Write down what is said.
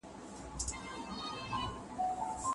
شاګرد د مقالې پایلي لیکلې وې.